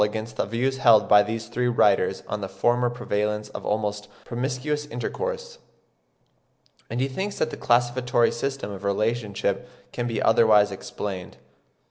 197) against the views held by these three writers on the former prevalence of almost promiscuous intercourse; and he thinks that the classificatory system of relationship can be otherwise explained.)